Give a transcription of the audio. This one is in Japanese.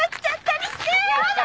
やだ！